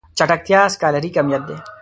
چټکتيا سکالري کميت دی.